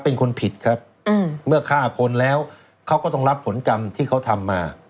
เป็นคนผิดครับเมื่อฆ่าคนแล้วเขาก็ต้องรับผลกรรมที่เขาทำมา